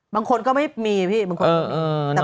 บางคนก็ไม่มีพี่